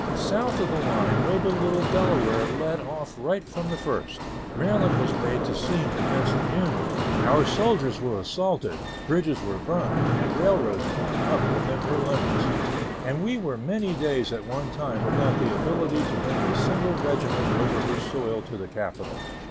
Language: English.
South of the line noble little Delaware led off right from the first. Maryland was made to seem against the Union. Our soldiers were assaulted, bridges were burned, and railroads torn up within her limits, and we were many days at one time without the ability to bring a single regiment over her soil to the capital.